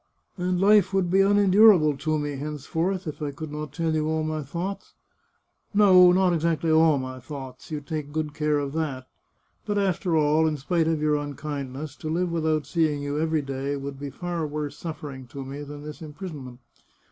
And life would be unendurable to me, henceforth, if I could not tell you all my thoughts. ... No, not exactly all my thoughts. You take good care of that. But, after all, in spite of your unkindness, to live without seeing you every day would be far worse suflFering to me than this imprisonment.